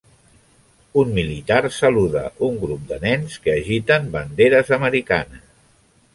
Un militar saluda un grup de nens que agiten banderes americanes.